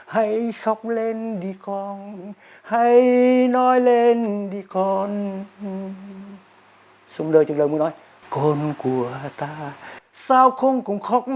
hãy khóc lên đi con hãy nói lên đi con xung đôi chừng đôi muốn nói con của ta sao không còn khóc